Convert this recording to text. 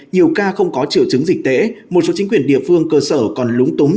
nhiều ca không có triệu chứng dịch tễ một số chính quyền địa phương cơ sở còn lúng túng